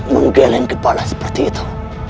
menggeleng kepala seperti itu